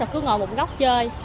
rồi cứ ngồi một góc chơi